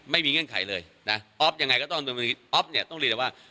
เงื่อนไขเลยนะอ๊อฟยังไงก็ต้องดำเนินคดีอ๊อฟเนี่ยต้องเรียนเลยว่า